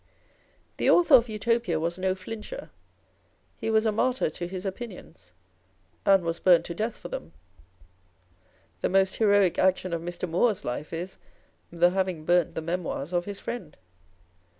The Author of Utopia was no flincher, he was a martyr to his opinions, and was burnt to death for them â€" the most heroic action of Mr. Moore's life is, the having burnt the Memoirs of his friend